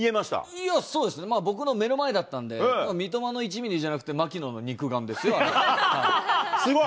いや、そうですね、僕の目の前だったんで、三笘の１ミリじゃなくて、槙野の肉眼ですよ、すごい。